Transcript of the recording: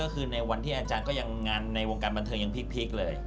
คือวันที่วงการบันเทิงก็ยังพีชเลย